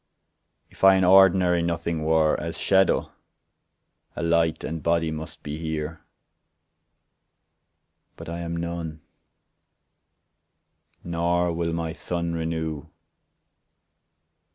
If I an ordinary nothing were, As shadow, a light, and body must be here. But I am none ; nor will my sun renew.